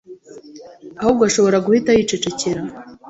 Ahubwo ashobora guhita yicecekera